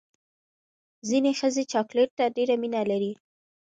ځینې ښځې چاکلیټ ته ډېره مینه لري.